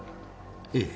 ええ。